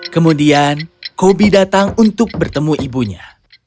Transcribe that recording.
kemudian kobi datang untuk bertemu ibunya